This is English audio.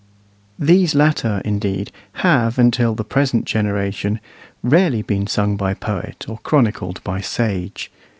These latter, indeed, have, until the present generation, rarely been sung by poet, or chronicled by sage.